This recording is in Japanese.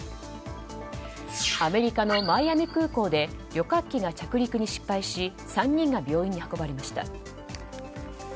アメリカのマイアミ空港で旅客機が着陸に失敗し３人が病院に運ばれました。